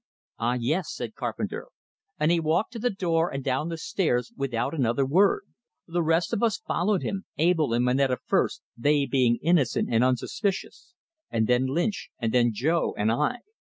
"Ah, yes!" said Carpenter. And he walked to the door and down the stairs without another word. The rest of us followed him; Abell and Moneta first, they being innocent and unsuspicious; and then Lynch, and then Joe and I.